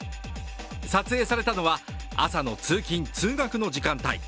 撮影されたのは朝の通勤・通学の時間帯。